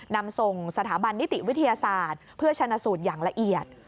นำส่งสถาบันนิติวิทยาศาสตร์เพื่อชนะสูตรอย่างละเอียด